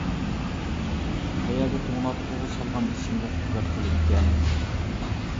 قەيەردە توڭلاتقۇغا سالغان ئىچىملىك قۇۋۋەت قىلىدىكەن.